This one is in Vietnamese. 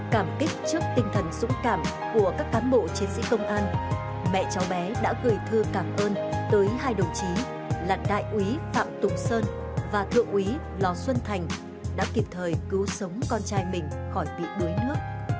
cảm kích trước tinh thần dũng cảm của các cán bộ chiến sĩ công an mẹ cháu bé đã gửi thư cảm ơn tới hai đồng chí là đại úy phạm tùng sơn và thượng úy lò xuân thành đã kịp thời cứu sống con trai mình khỏi bị đuối nước